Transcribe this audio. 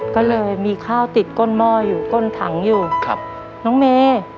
ก็เลยมีข้าวติดก้นหม้ออยู่ก้นถังอยู่ครับน้องเมย์